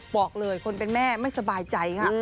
บอกเลยคนเป็นแม่ไม่สบายใจค่ะ